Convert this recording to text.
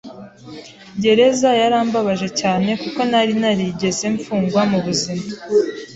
Gereza yarambabaje cyane, kuko ntari narigeze mfungwa mu buzima